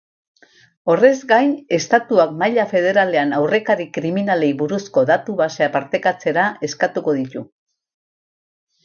Horrez gain, estatuak maila federalean aurrekari kriminalei buruzko datu-basea partekatzera estutuko ditu.